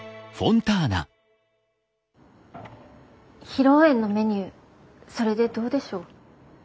披露宴のメニューそれでどうでしょう？